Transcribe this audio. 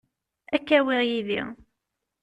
Ad k-awiɣ yid-i.